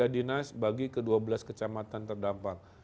tiga dinas bagi ke dua belas kecamatan terdampak